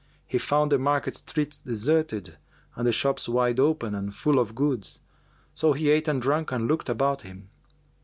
He found the market streets deserted and the shops wide open and full of goods; so he ate and drank and looked about him.